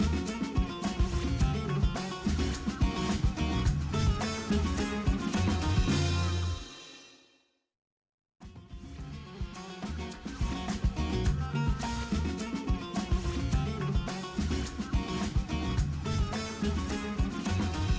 kita punya kan tidak terus ya